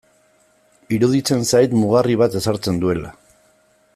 Iruditzen zait mugarri bat ezartzen duela.